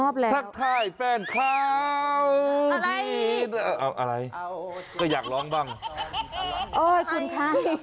โอ้ยคุณค่ะ